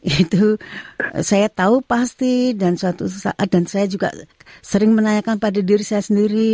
itu saya tahu pasti dan suatu saat dan saya juga sering menanyakan pada diri saya sendiri